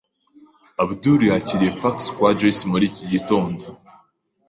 Abdul yakiriye fax kwa Joyce muri iki gitondo.